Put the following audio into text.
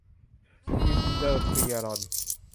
อินเตอร์เฟียรอน